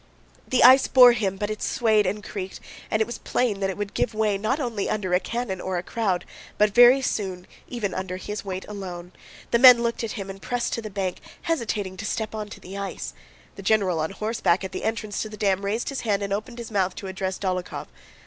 The ice bore him but it swayed and creaked, and it was plain that it would give way not only under a cannon or a crowd, but very soon even under his weight alone. The men looked at him and pressed to the bank, hesitating to step onto the ice. The general on horseback at the entrance to the dam raised his hand and opened his mouth to address Dólokhov.